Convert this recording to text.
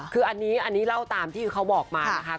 คืออันนี้เล่าตามที่เขาบอกมานะคะ